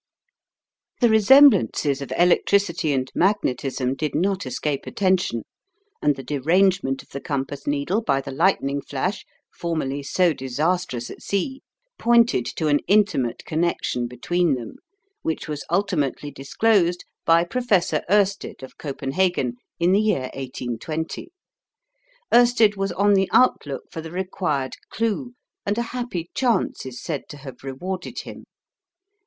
The resemblances of electricity and magnetism did not escape attention, and the derangement of the compass needle by the lightning flash, formerly so disastrous at sea, pointed to an intimate connection between them, which was ultimately disclosed by Professor Oersted, of Copenhagen, in the year 1820. Oersted was on the outlook for the required clue, and a happy chance is said to have rewarded him.